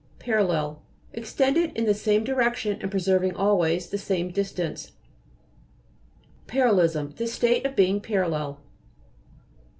PARALLEL Extended in the same direction and preserving always the same distance. PARALLE'LISM The state of being parallel.